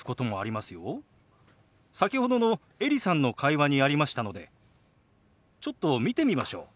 先ほどのエリさんの会話にありましたのでちょっと見てみましょう。